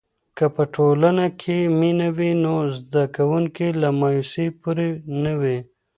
که په ښوونځي کې مینه وي، نو زده کوونکي له مایوسۍ پورې نه وي.